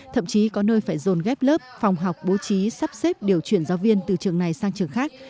thậm chí có nơi phải dồn ghép lớp phòng học bố trí sắp xếp điều chuyển giáo viên từ trường này sang trường khác